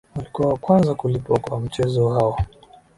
walikuwa wa kwanza kulipwa kwa mchezo wao